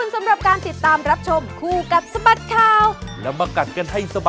สวัสดีครับ